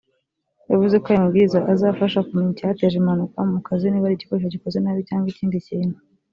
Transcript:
yavuze ko aya mabwiriza azafasha kumenya icyateje impanuka mu kazi niba ari igikoresho gikoze nabi cyangwa ikindi kintu